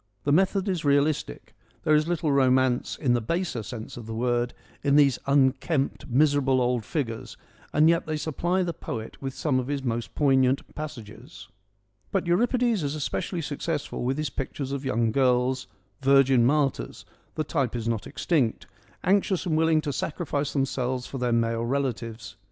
The method is realistic : there is little romance, in the baser sense of the word, in these unkempt, miserable, old figures, and yet they supply the poet with some of his most poignant passages. But Euripides is especially successful with his pictures of young girls, virgin martyrs — the type is not extinct — anxious and willing to sacrifice them selves for their male relatives.